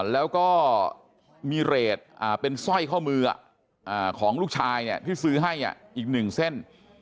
แล้วก็มีเรทเป็นสร้อยข้อมือของลูกชายที่ซื้อให้อีก๑เส้น